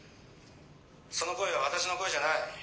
その声は私の声じゃない。